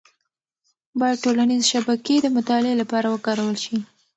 باید ټولنیز شبکې د مطالعې لپاره وکارول شي.